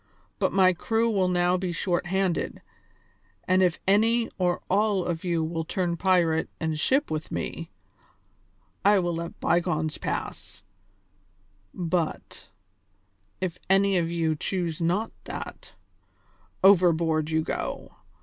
But my crew will now be short handed, and if any or all of you will turn pirate and ship with me, I will let bygones pass; but, if any of you choose not that, overboard you go.